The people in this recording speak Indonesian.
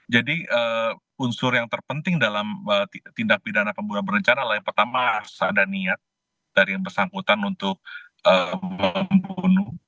jadi unsur yang terpenting dalam tindak pidana pembunuhan berencana adalah yang pertama harus ada niat dari yang bersangkutan untuk membunuh